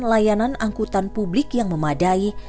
layanan angkutan publik yang memadai